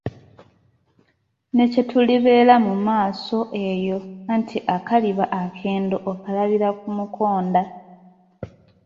Ne kye tulibeera mu maaso eyo, anti akaliba akendo okalabira ku mukonda.